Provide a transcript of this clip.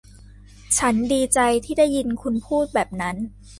ฉันดีใจที่ได้ยินคุณพูดแบบนั้น